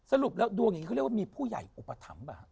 สรุปแล้วดวงเองคือมีผู้ใหญ่อุปถัมภ์